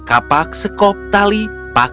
kapak sekop tali paku dan palu